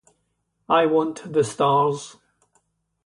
I want the stars!